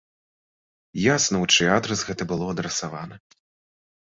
Ясна, у чый адрас гэта было адрасавана.